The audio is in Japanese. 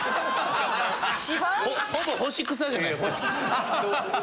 ほぼ干し草じゃないですか。